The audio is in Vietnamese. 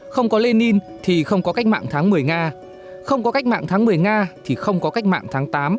không có lenin thì không có cách mạng tháng một mươi nga không có cách mạng tháng một mươi nga thì không có cách mạng tháng tám